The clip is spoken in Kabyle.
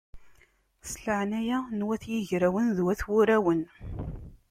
S leɛnaya n wat yigrawen d wat wurawen!